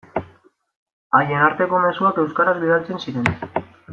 Haien arteko mezuak euskaraz bidaltzen ziren.